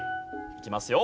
いきますよ。